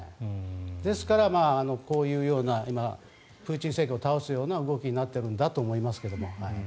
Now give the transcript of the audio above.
ですからこういうような今、プーチン政権を倒す動きになっていると思いますが。